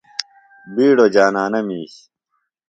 بِیڈوۡ جانانہ میِش۔